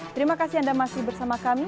terima kasih anda masih bersama kami